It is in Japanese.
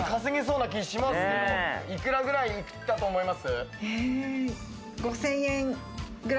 いくらぐらい行ったと思います？